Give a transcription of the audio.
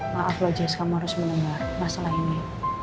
maaf lo jess kamu harus mendengar masalah ini